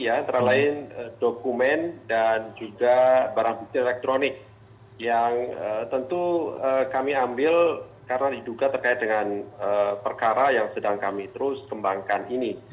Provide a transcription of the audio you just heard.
antara lain dokumen dan juga barang bukti elektronik yang tentu kami ambil karena diduga terkait dengan perkara yang sedang kami terus kembangkan ini